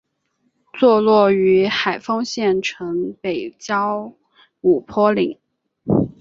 坐落于海丰县城北郊五坡岭。